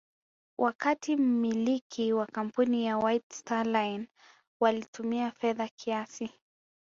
wakati mmiliki wa kampuni ya White Star Line walitumia fedha kiasi